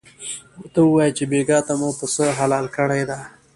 ورته ووایه چې بېګاه ته مو پسه حلال کړی دی.